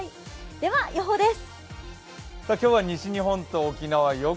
では予報です。